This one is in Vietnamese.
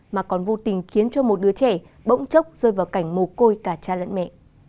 mà còn vô tình khiến cho một đứa trẻ bỗng chốc rơi vào cảnh mồ côi cả cha lẫn mẹ